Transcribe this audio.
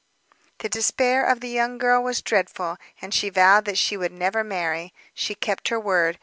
The despair of the young girl was dreadful, and she vowed that she would never marry. She kept her word.